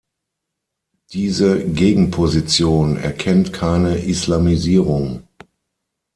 Diese Gegenposition erkennt keine Islamisierung.